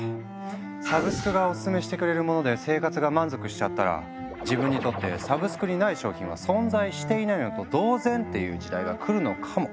サブスクがオススメしてくれるもので生活が満足しちゃったら自分にとってサブスクにない商品は存在していないのと同然！という時代が来るのかも。